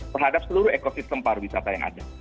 terhadap seluruh ekosistem pariwisata yang ada